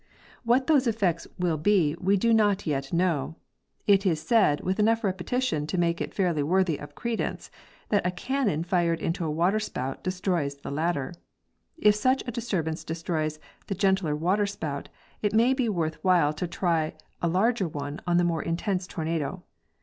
What these effects will be we do not yet know. It is said, with enough repetition to make it fairly worthy of credence, that a cannon fired into a waterspout destroys the latter. If such a disturbance destroys the gentler waterspout, it may be worth while to try a larger one on the more intense tornado.